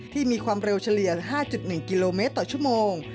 มีความเร็วเฉลี่ย๕๑กิโลเมตรต่อชั่วโมง